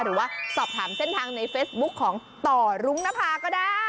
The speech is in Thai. หรือว่าสอบถามเส้นทางในเฟซบุ๊คของต่อรุ้งนภาก็ได้